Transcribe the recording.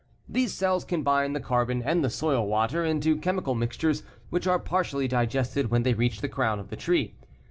These cells combine the carbon and the soil water into chemical mixtures which are partially digested when they reach the crown of the tree.